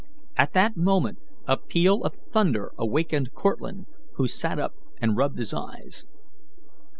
At that moment a peal of thunder awakened Cortlandt, who sat up and rubbed his eyes.